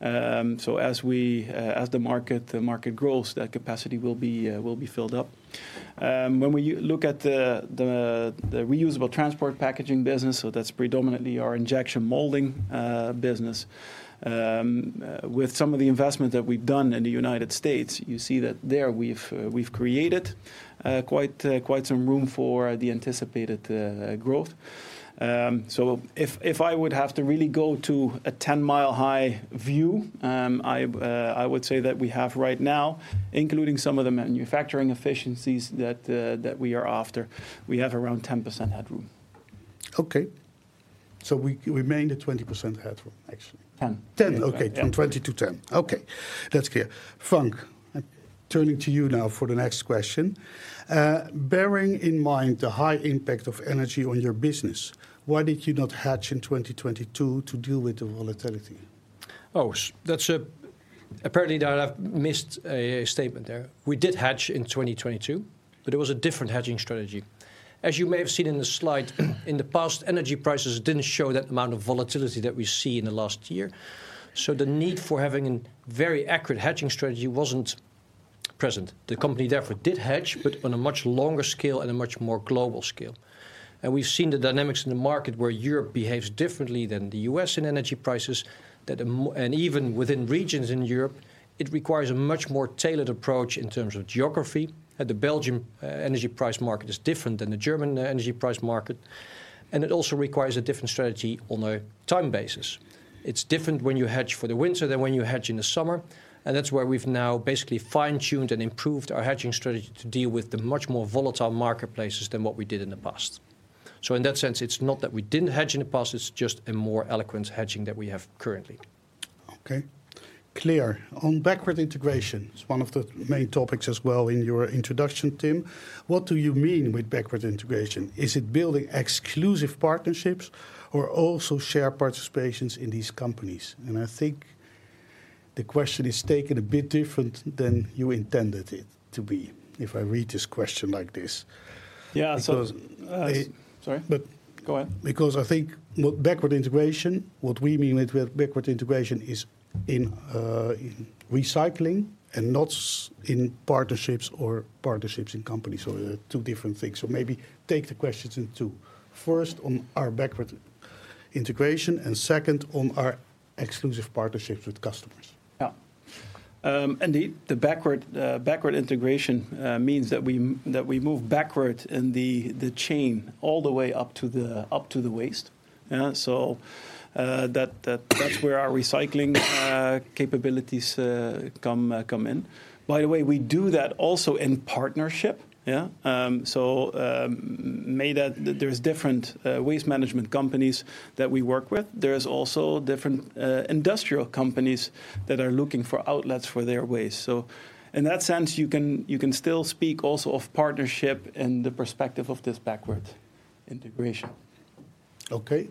As the market grows, that capacity will be filled up. When we look at the reusable transport packaging business, that's predominantly our injection molding business, with some of the investment that we've done in the United States, you see that there we've created quite some room for the anticipated growth. If I would have to really go to a 10-mile high view, I would say that we have right now, including some of the manufacturing efficiencies that we are after, we have around 10% headroom. Okay. We made it 20% headroom, actually. 10%. 10%, okay. 10%. From 20%-10%. Okay. That's clear. Frank, turning to you now for the next question. Bearing in mind the high impact of energy on your business, why did you not hedge in 2022 to deal with the volatility? That's apparently that I've missed a statement there. We did hedge in 2022, but it was a different hedging strategy. As you may have seen in the slide, in the past, energy prices didn't show that amount of volatility that we see in the last year. The need for having a very accurate hedging strategy wasn't present. The company therefore did hedge, but on a much longer scale and a much more global scale. We've seen the dynamics in the market where Europe behaves differently than the U.S. in energy prices, that and even within regions in Europe, it requires a much more tailored approach in terms of geography. The Belgium energy price market is different than the German energy price market, and it also requires a different strategy on a time basis. It's different when you hedge for the winter than when you hedge in the summer, and that's where we've now basically fine-tuned and improved our hedging strategy to deal with the much more volatile marketplaces than what we did in the past. In that sense, it's not that we didn't hedge in the past, it's just a more eloquent hedging that we have currently. Okay. Clear. On backward integration, it's one of the main topics as well in your introduction, Tim Litjens. What do you mean with backward integration? Is it building exclusive partnerships or also share participations in these companies? I think the question is taken a bit different than you intended it to be, if I read this question like this. Yeah. Because. Sorry. But. Go ahead. I think backward integration, what we mean with backward integration is in recycling and not in partnerships or partnerships in companies, they're two different things. Maybe take the questions in two. First, on our backward integration, and second, on our exclusive partnerships with customers. Indeed, the backward integration means that we move backward in the chain all the way up to the waste. That's where our recycling capabilities come in. By the way, we do that also in partnership. May that there's different waste management companies that we work with. There's also different industrial companies that are looking for outlets for their waste. In that sense, you can still speak also of partnership in the perspective of this backward integration. Okay.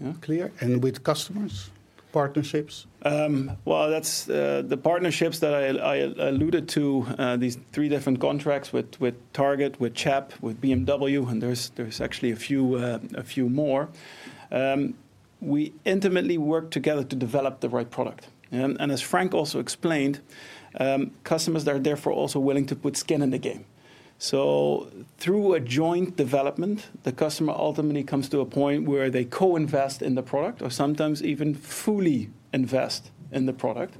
Yeah. Clear. With customers, partnerships? Well, that's the partnerships that I alluded to, these three different contracts with Target, with CHEP, with BMW, and there's actually a few more. We intimately work together to develop the right product. As Frank also explained, customers are therefore also willing to put skin in the game. Through a joint development, the customer ultimately comes to a point where they co-invest in the product or sometimes even fully invest in the product,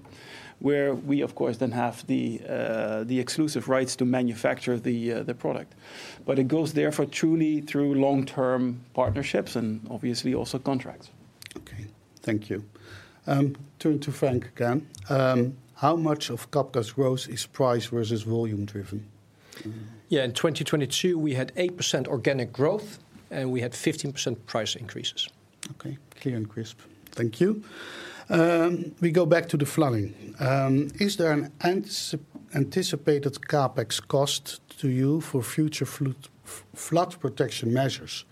where we of course then have the exclusive rights to manufacture the product. It goes therefore truly through long-term partnerships and obviously also contracts. Okay. Thank you. Turn to Frank Roerink again. Okay. How much of Cabka's growth is price versus volume driven? Yeah. In 2022 we had 8% organic growth, and we had 15% price increases. Okay. Clear and crisp. Thank you. We go back to the flooding. Is there an anticipated CapEx cost to you for future flood protection measures,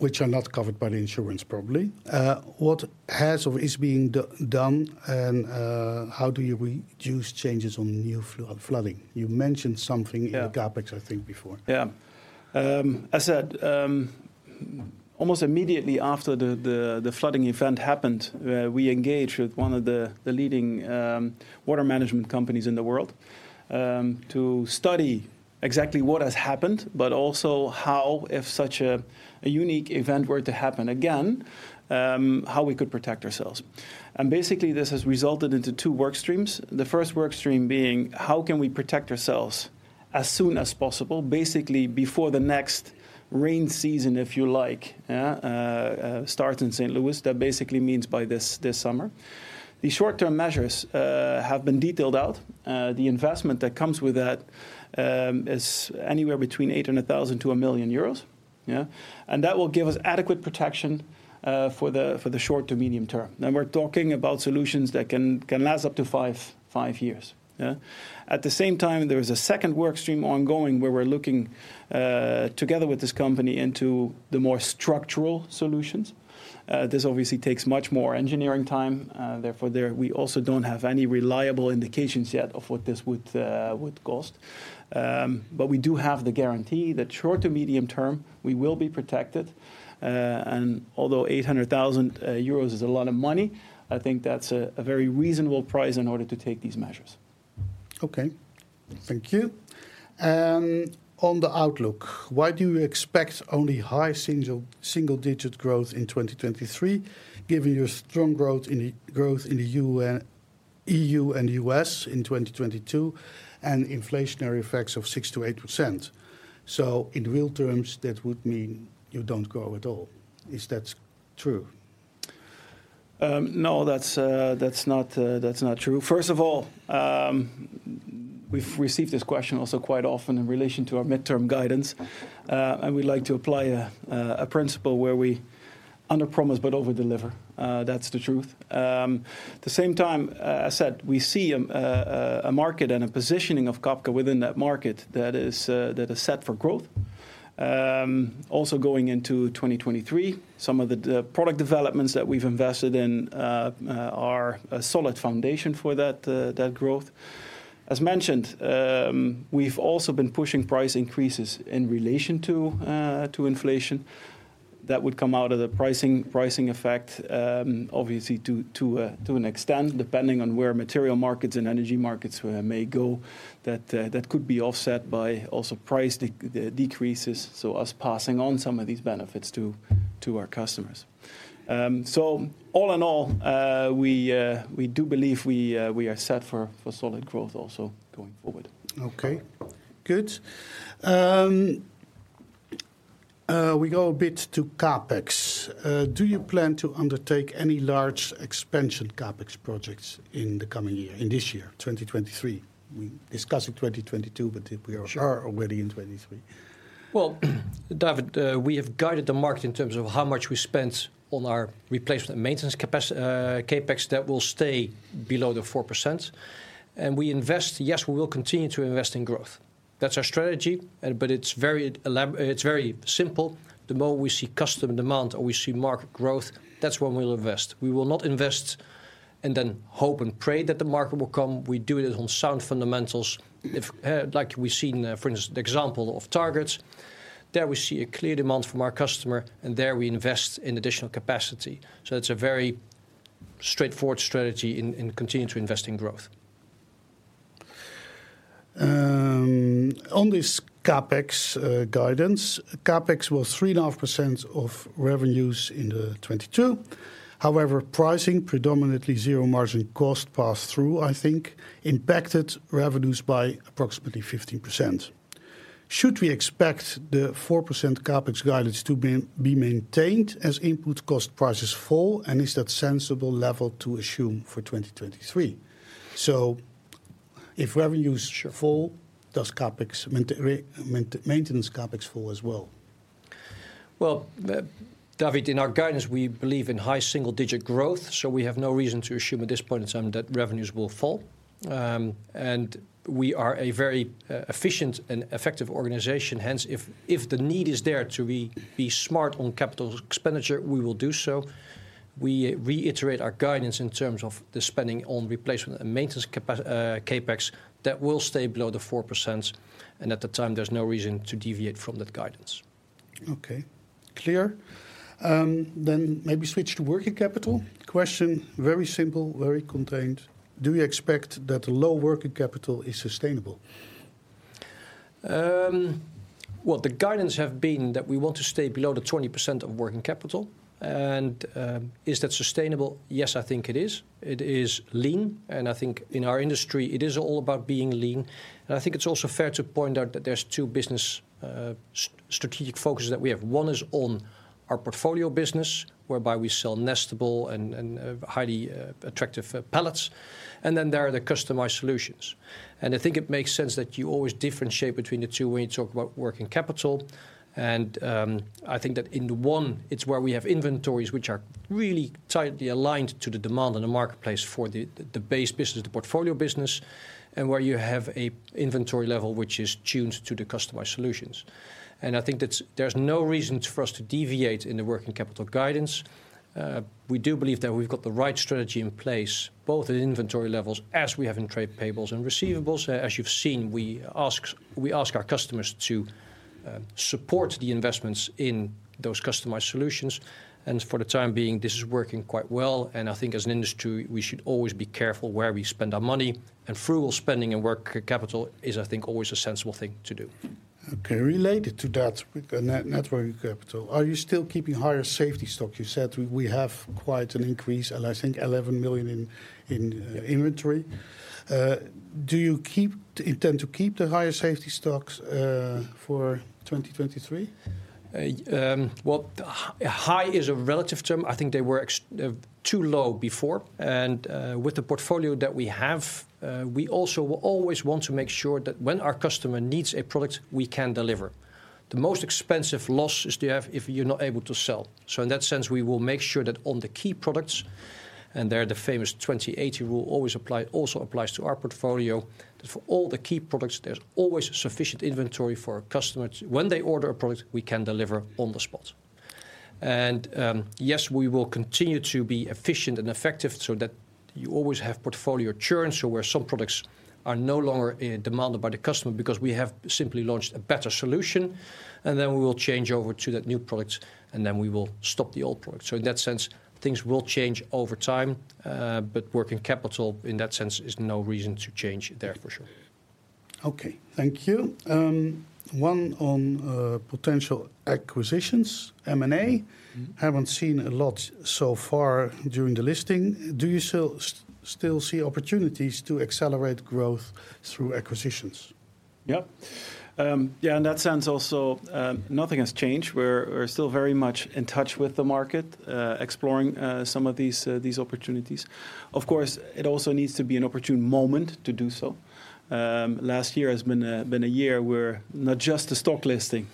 which are not covered by the insurance probably? What has or is being done, and, how do you reduce changes on new flooding? You mentioned something. Yeah. In your CAPEX I think before. Yeah. As said, almost immediately after the flooding event happened, we engaged with one of the leading water management companies in the world to study exactly what has happened, but also how, if such a unique event were to happen again, how we could protect ourselves. Basically this has resulted into two work streams, the first work stream being how can we protect ourselves as soon as possible, basically before the next rain season, if you like, yeah, starts in St. Louis. That basically means by this summer. The short-term measures have been detailed out. The investment that comes with that is anywhere between 800,000-1 million euros. Yeah. And that will give us adequate protection for the short to medium term. Now we're talking about solutions that can last up to five years. Yeah? At the same time, there is a second work stream ongoing where we're looking together with this company into the more structural solutions. This obviously takes much more engineering time, therefore there we also don't have any reliable indications yet of what this would cost. We do have the guarantee that short to medium term we will be protected. Although 800,000 euros is a lot of money, I think that's a very reasonable price in order to take these measures. Okay. Thank you. On the outlook, why do you expect only high single digit growth in 2023, given your strong growth in the EU and US in 2022, and inflationary effects of 6%-8%? In real terms, that would mean you don't grow at all. Is that true? No, that's not true. First of all, we've received this question also quite often in relation to our midterm guidance. We'd like to apply a principle where we underpromise but overdeliver. That's the truth. The same time, as said, we see a market and a positioning of Cabka within that market that is set for growth. Also going into 2023, some of the product developments that we've invested in are a solid foundation for that growth. As mentioned, we've also been pushing price increases in relation to inflation. That would come out of the pricing effect, obviously to an extent, depending on where material markets and energy markets may go, that could be offset by also price decreases, so us passing on some of these benefits to our customers. All in all, we do believe we are set for solid growth also going forward. Okay. Good. we go a bit to CapEx. Do you plan to undertake any large expansion CapEx projects in the coming year, in this year, 2023? We discussing 2022, but we are. Sure. Already in 2023. David, we have guided the market in terms of how much we spent on our replacement maintenance CapEx that will stay below the 4%. We invest, yes, we will continue to invest in growth. That's our strategy, it's very simple. The more we see customer demand or we see market growth, that's when we'll invest. We will not invest and then hope and pray that the market will come, we do it on sound fundamentals. If, like we've seen, for instance, the example of Target, there we see a clear demand from our customer, there we invest in additional capacity. It's a very straightforward strategy in continuing to invest in growth. On this CapEx guidance, CapEx was 3.5% of revenues in 2022. Pricing predominantly zero margin cost passed through impacted revenues by approximately 15%. Should we expect the 4% CapEx guidance to be maintained as input cost prices fall? Is that sensible level to assume for 2023? If revenues fall, does CapEx maintenance CapEx fall as well? Well, David, in our guidance, we believe in high single digit growth. We have no reason to assume at this point in time that revenues will fall. We are a very efficient and effective organization, hence if the need is there to be smart on capital expenditure, we will do so. We reiterate our guidance in terms of the spending on replacement and maintenance CapEx, that will stay below the 4%, and at the time, there's no reason to deviate from that guidance. Okay. Clear. Maybe switch to working capital. Question, very simple, very contained. Do you expect that low working capital is sustainable? Well, the guidance have been that we want to stay below the 20% of working capital, and is that sustainable? Yes, I think it is. It is lean, and I think in our industry, it is all about being lean. I think it's also fair to point out that there's two business strategic focuses that we have. One is on our portfolio business, whereby we sell nestable and highly attractive pellets. Then there are the customized solutions. I think it makes sense that you always differentiate between the two when you talk about working capital, and, I think that in the one, it's where we have inventories, which are really tightly aligned to the demand in the marketplace for the base business, the portfolio business, and where you have a inventory level which is tuned to the customized solutions. I think that's, there's no reason for us to deviate in the working capital guidance. We do believe that we've got the right strategy in place, both at inventory levels as we have in trade payables and receivables. As you've seen, we ask our customers to support the investments in those customized solutions, and for the time being, this is working quite well, and I think as an industry, we should always be careful where we spend our money, and frugal spending and work capital is, I think, always a sensible thing to do. Okay. Related to that, with the net working capital, are you still keeping higher safety stock? You said we have quite an increase, I think 11 million in inventory. Do you keep, you tend to keep the higher safety stocks for 2023? Well, high is a relative term. I think they were too low before, with the portfolio that we have, we also will always want to make sure that when our customer needs a product, we can deliver. The most expensive loss is to have if you're not able to sell. In that sense, we will make sure that on the key products, and there the famous 20-80 rule always apply, also applies to our portfolio, that for all the key products, there's always sufficient inventory for our customers. When they order a product, we can deliver on the spot. Yes, we will continue to be efficient and effective so that you always have portfolio churn, so where some products are no longer in demand by the customer because we have simply launched a better solution, and then we will change over to that new product, and then we will stop the old product. In that sense, things will change over time, but working capital, in that sense, is no reason to change there for sure. Okay. Thank you. One on potential acquisitions, M&A. Mm-hmm. Haven't seen a lot so far during the listing. Do you still see opportunities to accelerate growth through acquisitions? Yep. Yeah, in that sense also, nothing has changed. We're still very much in touch with the market, exploring some of these opportunities. Of course, it also needs to be an opportune moment to do so. Last year has been a year where not just the stock listing,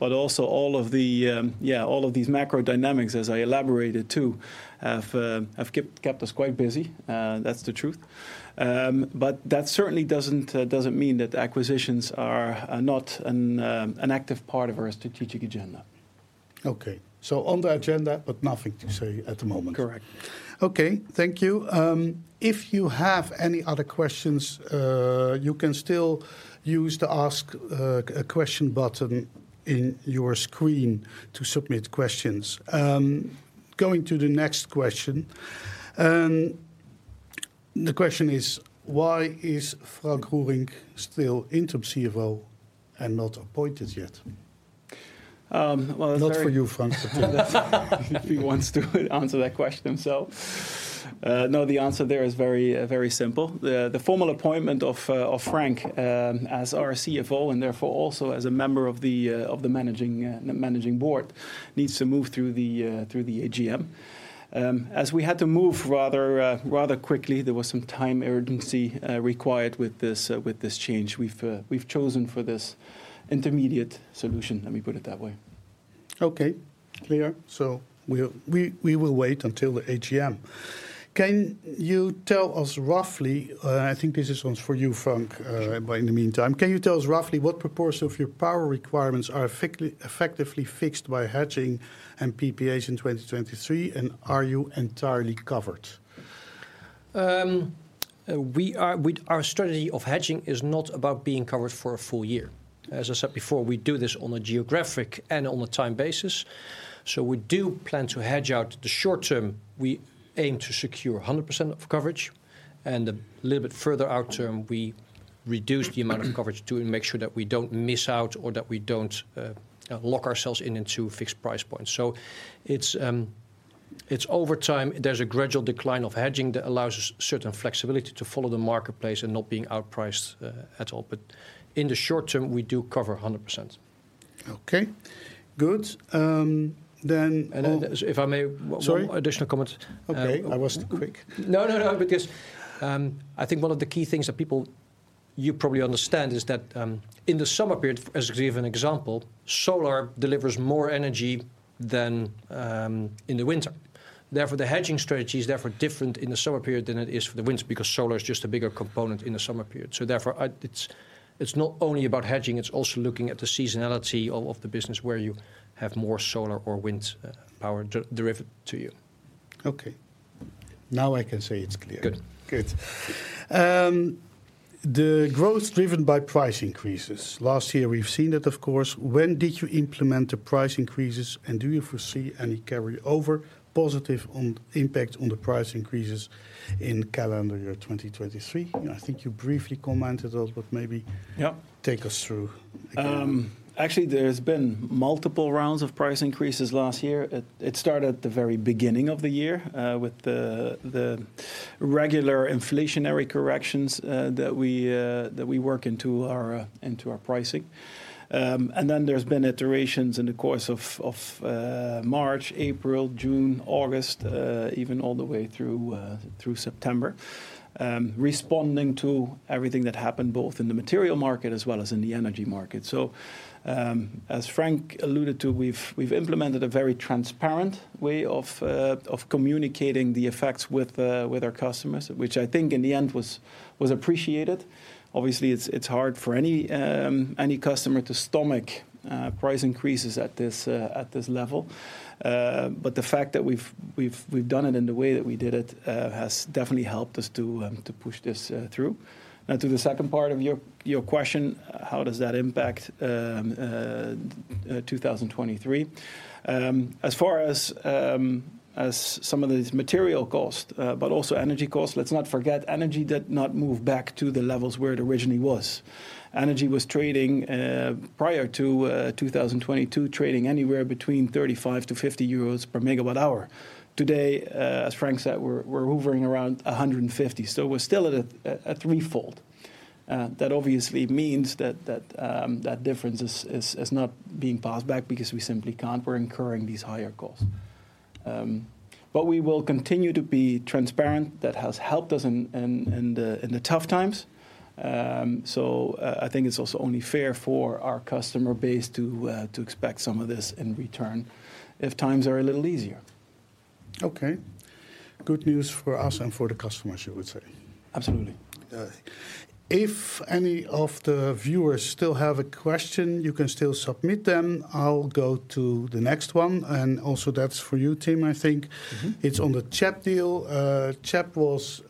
but also all of the, yeah, all of these macro dynamics, as I elaborated too, have kept us quite busy. That's the truth. That certainly doesn't mean that acquisitions are not an active part of our strategic agenda. Okay. On the agenda, but nothing to say at the moment. Correct. Okay. Thank you. If you have any other questions, you can still use the Ask a Question button in your screen to submit questions. Going to the next question. The question is, why is Frank Roerink still Interim CFO and not appointed yet? well, it's Not for you, Frank, but. If he wants to answer that question. No, the answer there is very simple. The formal appointment of Frank as our CFO, and therefore also as a member of the managing board, needs to move through the AGM. As we had to move rather quickly, there was some time urgency required with this change. We've chosen for this intermediate solution, let me put it that way. Okay. Clear. We will wait until the AGM. Can you tell us roughly, I think this one's for you, Frank. Sure. By in the meantime. Can you tell us roughly what proportion of your power requirements are effectively fixed by hedging and PPAs in 2023, and are you entirely covered? Our strategy of hedging is not about being covered for a full year. As I said before, we do this on a geographic and on a time basis. We do plan to hedge out the short term. We aim to secure 100% of coverage, and a little bit further out term, we reduce the amount of coverage to make sure that we don't miss out or that we don't lock ourselves in into fixed price points. It's over time, there's a gradual decline of hedging that allows us certain flexibility to follow the marketplace and not being outpriced at all. In the short term, we do cover 100%. Okay. Good, then. Then if I may. Sorry. One additional comment. Okay. I was quick. No, no, because I think one of the key things that people, you probably understand, is that in the summer period, as we give an example, solar delivers more energy than in the winter. The hedging strategy is therefore different in the summer period than it is for the winter because solar is just a bigger component in the summer period. Therefore, it's not only about hedging, it's also looking at the seasonality of the business where you have more solar or wind power de-derived to you. Okay. Now I can say it's clear. Good. Good. The growth driven by price increases. Last year we've seen it, of course. When did you implement the price increases, and do you foresee any carryover positive on impact on the price increases in calendar year 2023? I think you briefly commented on it, but. Yeah. Take us through again. Actually there's been multiple rounds of price increases last year. It started at the very beginning of the year, with the regular inflationary corrections that we that we work into our into our pricing. Then there's been iterations in the course of March, April, June, August, even all the way through September, responding to everything that happened both in the material market as well as in the energy market. As Frank alluded to, we've implemented a very transparent way of communicating the effects with our customers, which I think in the end was appreciated. Obviously, it's hard for any customer to stomach price increases at this at this level. The fact that we've done it in the way that we did it, has definitely helped us to push this through. To the second part of your question, how does that impact 2023? As far as some of these material costs, but also energy costs, let's not forget energy did not move back to the levels where it originally was. Energy was trading prior to 2022, trading anywhere between 35-50 euros per MWh. Today, as Frank said, we're hovering around 150. We're still at a threefold. That obviously means that difference is not being passed back because we simply can't, we're incurring these higher costs. We will continue to be transparent. That has helped us in the tough times. I think it's also only fair for our customer base to expect some of this in return if times are a little easier. Okay. Good news for us and for the customers, you would say. Absolutely. If any of the viewers still have a question, you can still submit them. I'll go to the next one. That's for you, Tim, I think. Mm-hmm. It's on the CHEP deal. CHEP was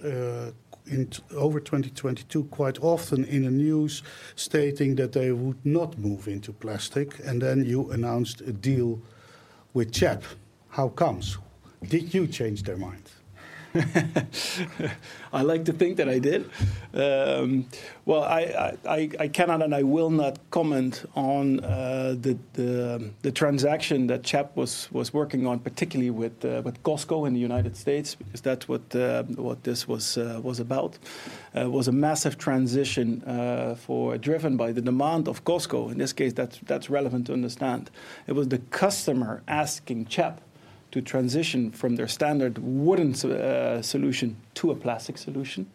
over 2022, quite often in the news stating that they would not move into plastic, and then you announced a deal with CHEP. How comes? Did you change their mind? I like to think that I did. Well, I cannot, and I will not comment on the transaction that CHEP was working on, particularly with Costco in the United States, because that's what this was about. It was a massive transition driven by the demand of Costco. In this case, that's relevant to understand. It was the customer asking CHEP to transition from their standard wooden solution to a plastic solution.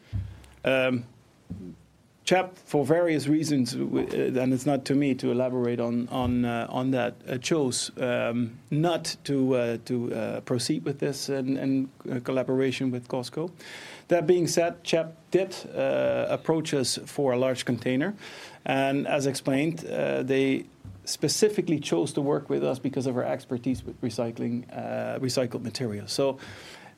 CHEP, for various reasons, and it's not to me to elaborate on that, chose not to proceed with this in collaboration with Costco. That being said, CHEP did approach us for a large container. As explained, they specifically chose to work with us because of our expertise with recycling recycled materials.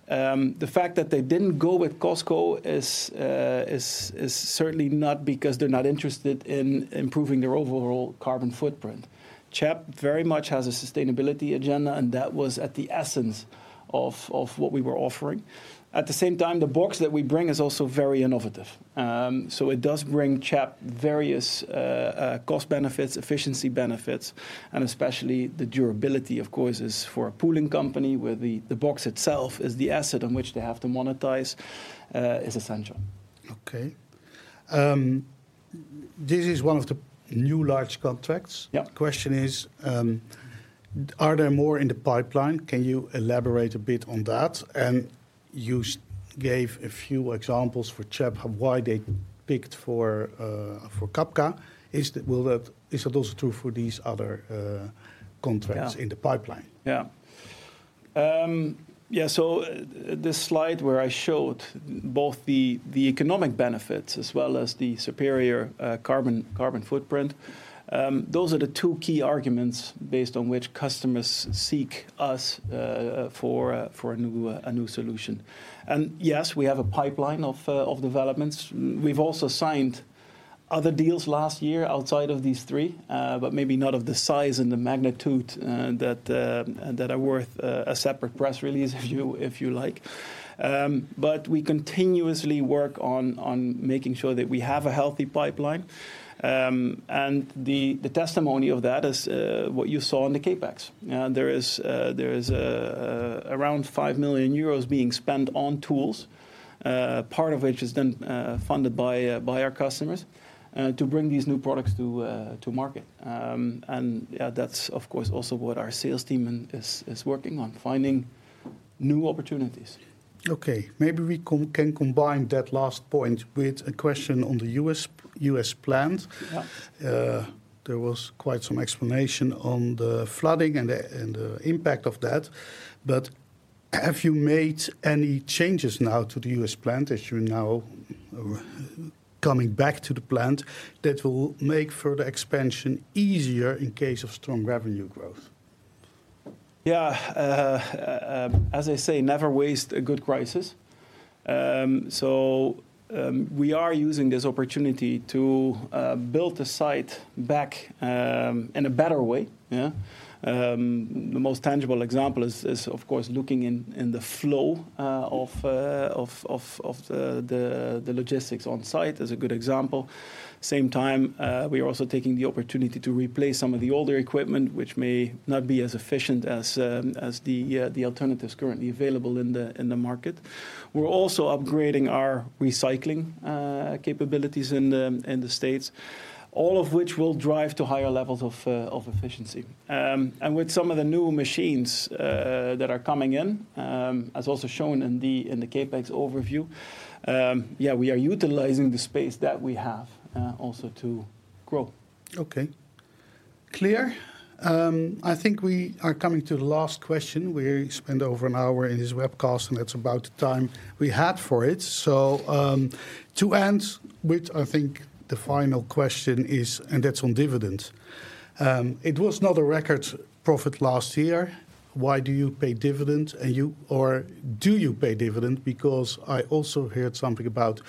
The fact that they didn't go with Costco is certainly not because they're not interested in improving their overall carbon footprint. CHEP very much has a sustainability agenda. That was at the essence of what we were offering. At the same time, the box that we bring is also very innovative. It does bring CHEP various cost benefits, efficiency benefits, and especially the durability, of course, is for a pooling company where the box itself is the asset on which they have to monetize is essential. Okay. This is one of the new large contracts. Yeah. Question is, are there more in the pipeline? Can you elaborate a bit on that? You gave a few examples for CHEP, why they picked for Cabka. Is that also true for these other contracts? Yeah. In the pipeline? This slide where I showed both the economic benefits as well as the superior carbon footprint, those are the two key arguments based on which customers seek us for a new solution. Yes, we have a pipeline of developments. We've also signed other deals last year outside of these three, but maybe not of the size and the magnitude that are worth a separate press release if you like. But we continuously work on making sure that we have a healthy pipeline. The testimony of that is what you saw in the CAPEX. There is around 5 million euros being spent on tools, part of which is then funded by our customers to bring these new products to market. Yeah, that's of course also what our sales team is working on, finding new opportunities. Okay. Maybe we can combine that last point with a question on the US plant. Yeah. There was quite some explanation on the flooding and the, and the impact of that. Have you made any changes now to the U.S. plant as you're now coming back to the plant that will make further expansion easier in case of strong revenue growth? As I say, never waste a good crisis. We are using this opportunity to build the site back in a better way. The most tangible example is of course looking in the flow of the logistics on site is a good example. Same time, we are also taking the opportunity to replace some of the older equipment which may not be as efficient as the alternatives currently available in the market. We're also upgrading our recycling capabilities in the States, all of which will drive to higher levels of efficiency. With some of the new machines that are coming in, as also shown in the CapEx overview, yeah, we are utilizing the space that we have also to grow. Okay. Clear. I think we are coming to the last question. We spent over an hour in this webcast, and that's about the time we had for it. To end with I think the final question is, and that's on dividends. It was not a record profit last year. Why do you pay dividends? Do you pay dividend? I also heard something about,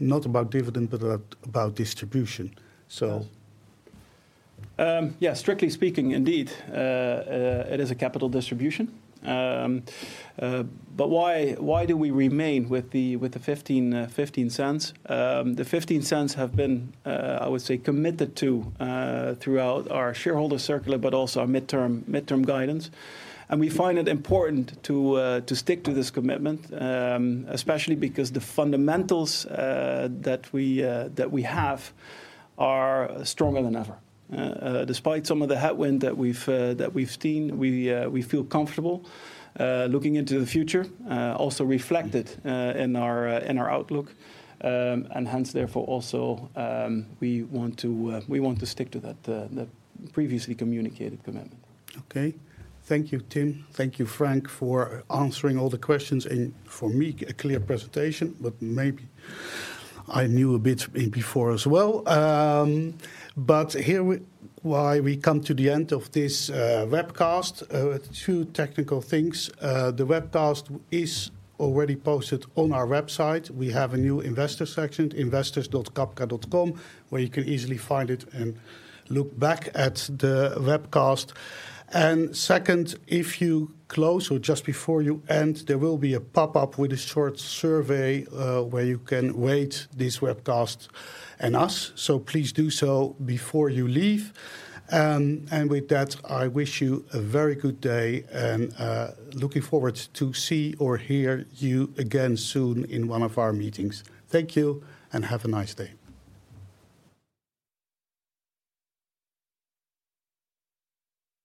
not about dividend, but about distribution. Strictly speaking, indeed, it is a capital distribution. Why do we remain with the EUR 0.15? The 0.15 have been, I would say, committed to throughout our shareholder circular, but also our midterm guidance. We find it important to stick to this commitment, especially because the fundamentals that we have are stronger than ever. Despite some of the headwind that we've seen, we feel comfortable looking into the future, also reflected in our outlook. We want to stick to that previously communicated commitment. Okay. Thank you, Tim. Thank you, Frank, for answering all the questions. For me, a clear presentation, but maybe I knew a bit before as well. Here we, why we come to the end of this webcast, two technical things. The webcast is already posted on our website. We have a new investor section, investors.cabka.com, where you can easily find it and look back at the webcast. Second, if you close or just before you end, there will be a pop-up with a short survey, where you can rate this webcast and us. Please do so before you leave. With that, I wish you a very good day and looking forward to see or hear you again soon in one of our meetings. Thank you, and have a nice day.